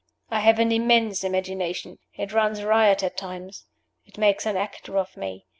I have an immense imagination. It runs riot at times. It makes an actor of me.